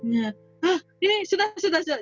hah ini sudah sudah sudah